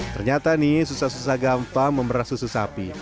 ternyata nih susah susah gampang memerah susu sapi